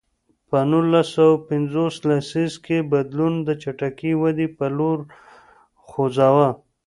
په نولس سوه پنځوس لسیزه کې بدلون د چټکې ودې په لور خوځاوه.